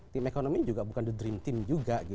tim ekonomi juga bukan the dream team juga